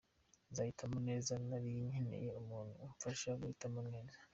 Nzahitamo neza, nari nkeneye umuntu umfasha guhitamo neza.